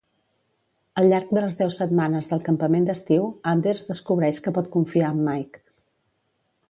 Al llarg de les deu setmanes del campament d'estiu, Anders descobreix que pot confiar amb Micke.